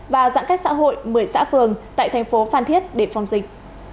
và giãn cách xã hội một mươi xã phường tại thành phố phan thiết để phòng dịch